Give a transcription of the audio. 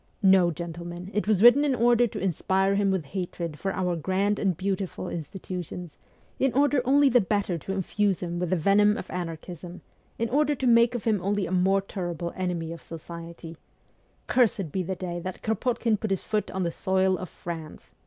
... No, gentlemen it was written in order to inspire him with hatred for our grand and beautiful institutions, in order only the better to infuse him with the venom of anarchism, in order to make of him only a more terrible enemy of society. ... Cursed be the day that Kropotkin put his foot on the soil of France